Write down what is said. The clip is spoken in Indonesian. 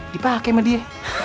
dipake mah dia